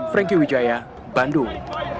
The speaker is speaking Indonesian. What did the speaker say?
franky wijaya bandung